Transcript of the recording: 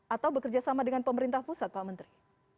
atau bekerja sama dengan pemerintah pusat pak menteri